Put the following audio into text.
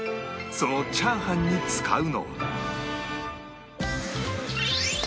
そのチャーハンに使うのは